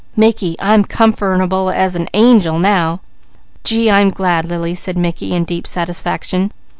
"Mickey, I'm comf'rable as nangel now." "Gee, I'm glad, Lily," said Mickey in deep satisfaction.